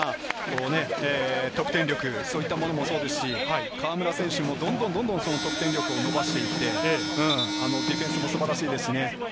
得点力、そういったものもそうですし、河村選手もどんどん得点力を伸ばしていって、ディフェンスも素晴らしいですしね。